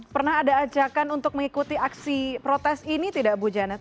pernah ada ajakan untuk mengikuti aksi protes ini tidak bu janet